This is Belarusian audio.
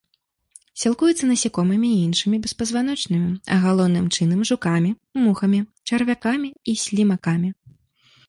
Сілкуецца насякомымі і іншымі беспазваночнымі, галоўным чынам жукамі, мухамі, чарвякамі і слімакамі.